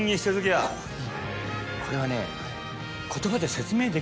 これはね。